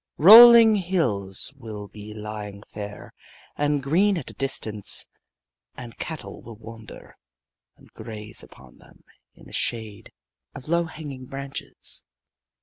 Rolling hills will be lying fair and green at a distance, and cattle will wander and graze upon them in the shade of low hanging branches.